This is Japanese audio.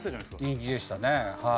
人気でしたねはい。